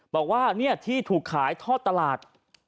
บอกว่าที่ถูกขายทอดตลาด